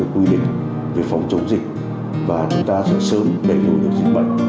quy định về phòng chống dịch và chúng ta sẽ sớm đẩy lùi được dịch bệnh